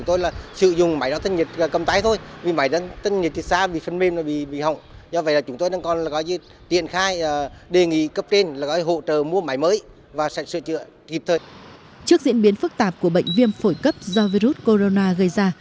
trước diễn biến phức tạp của bệnh viêm phổi cấp do virus corona gây ra